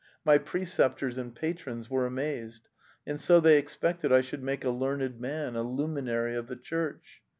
My preceptors and patrons were amazed, and so they expected I should make a learned man, a luminary of the Church.